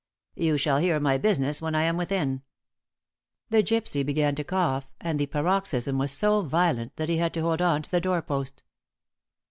"You shall hear my business when I am within." The gypsy began to cough, and the paroxysm was so violent that he had to hold on to the door post.